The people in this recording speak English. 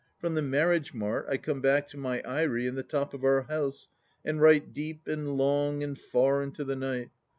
From the Marriage Mart I come back to my aery in the top of our house and write deep and long and far into the night.